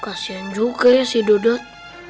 kasian juga ya si dudot